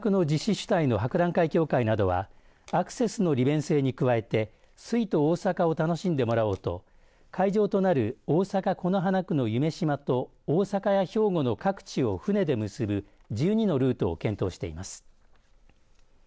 主体の博覧会協会などはアクセスの利便性に加えて水都大阪を楽しんでもらおうと会場となる大阪、此花区の夢洲と大阪や兵庫の各地を船で結ぶ１２のルートを検討しています。